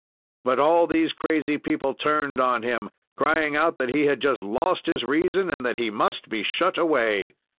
"But all these crazy people turned on him, crying out that he had just lost his reason and that he must be shut away.